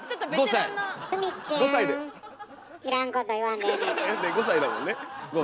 ５歳だもんね？